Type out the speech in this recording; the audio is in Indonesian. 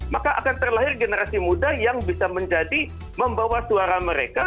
maka akan terlahir generasi muda yang bisa menjadi membawa suara mereka